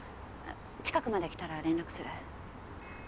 近くまで来たら連絡する。